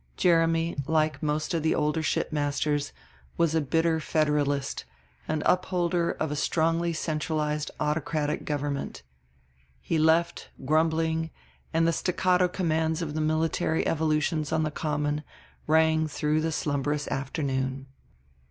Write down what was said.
Jeremy, like most of the older shipmasters, was a bitter Federalist, an upholder of a strongly centralized autocratic government. He left, grumbling, and the staccato commands of the military evolutions on the Common rang through the slumberous afternoon.